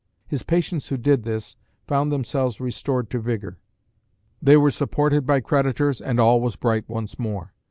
His patients who did this found themselves restored to vigor. They were supported by creditors and all was bright once more.